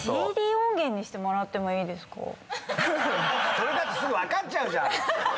それだとすぐ分かっちゃうじゃん。